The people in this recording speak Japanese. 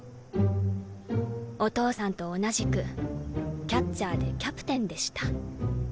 お父さんと同じくキャッチャーでキャプテンでした。